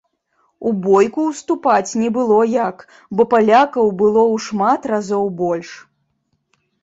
У бойку ўступаць не было як, бо палякаў было ў шмат разоў больш.